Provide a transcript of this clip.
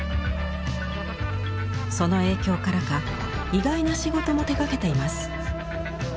その影響からか意外な仕事も手がけています。